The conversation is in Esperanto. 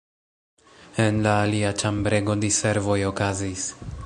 En la alia ĉambrego diservoj okazis.